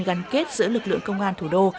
gắn kết giữa lực lượng công an thủ đô